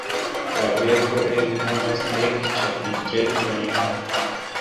La verko enhavas dek ĉapitretojn.